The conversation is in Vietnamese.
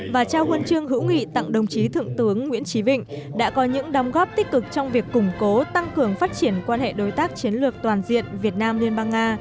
và trao huân chương hữu nghị tặng đồng chí thượng tướng nguyễn trí vịnh đã có những đóng góp tích cực trong việc củng cố tăng cường phát triển quan hệ đối tác chiến lược toàn diện việt nam liên bang nga